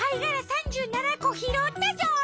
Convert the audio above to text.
３７こひろったぞ！